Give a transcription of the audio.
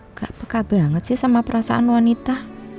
nggak peka banget sih sama perasaan wanita